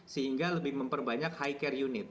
sehingga lebih memperbanyak high care unit